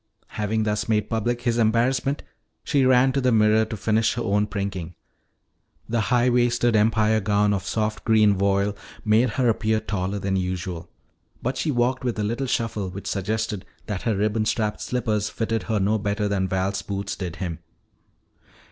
Having thus made public his embarrassment, she ran to the mirror to finish her own prinking. The high waisted Empire gown of soft green voile made her appear taller than usual. But she walked with a little shuffle which suggested that her ribbon strapped slippers fitted her no better than Val's boots did him.